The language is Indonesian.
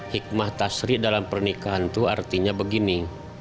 hikmah tasri dalam pernikahan itu artinya begini